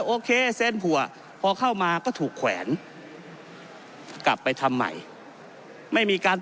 โอเคเสร็จหัวพอเข้ามาก็ถูกแขวนกลับไปทำใหม่